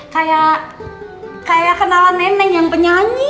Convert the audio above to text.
kayak kayak kenalan neneng yang penyanyi